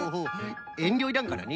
えんりょいらんからね。